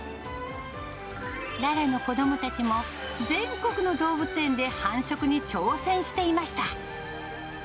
ララの子どもたちも、全国の動物園で繁殖に挑戦していました。